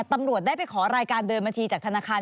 ตำรวจได้ไปขอรายการเดินบัญชีจากธนาคาร